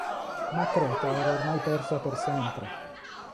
Ma Creta era ormai persa per sempre.